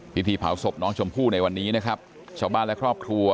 พิธีเผาศพน้องชมพู่ในวันนี้นะครับชาวบ้านและครอบครัว